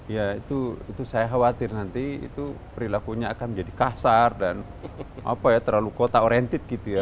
ya itu saya khawatir nanti itu perilakunya akan menjadi kasar dan terlalu kota oriented gitu ya